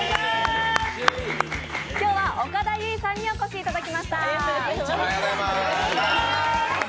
今日は岡田結実さんにお越しいただきました。